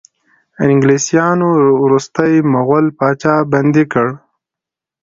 انګلیسانو وروستی مغول پاچا بندي کړ.